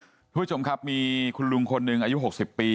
คุณผู้ชมครับมีคุณลุงคนหนึ่งอายุ๖๐ปี